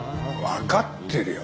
わかってるよ！